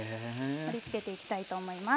盛りつけていきたいと思います。